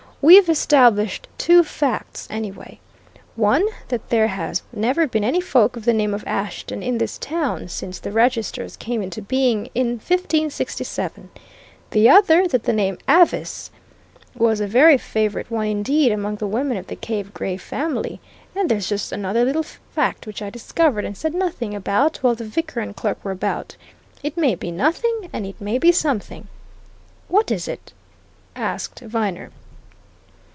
We've established two facts, anyway. One that there have never been any folk of the name of Ashton in this town since the registers came into being in 1567; the other, that the name Avice was a very favourite one indeed amongst the women of the Cave Gray family. And there's just another little fact which I discovered, and said nothing about while the vicar and clerk were about it may be nothing, and it may be something." "What is it?" asked Viner.